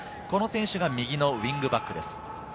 この選手が右のウイングバックです。